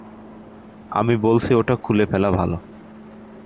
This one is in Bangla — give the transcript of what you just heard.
আমি বলছি ওটা খুলে ফেলা ভালো।